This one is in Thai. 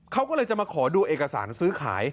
เขาก็เลยจะมาขอดูเอกสารซื้อขาย